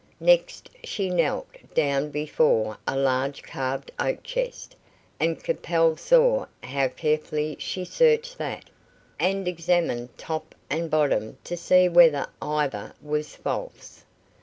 Next she knelt down before a large carved oak chest, and Capel saw how carefully she searched that, and examined top and bottom to see whether either was false.